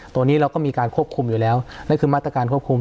เราก็มีการควบคุมอยู่แล้วนั่นคือมาตรการควบคุม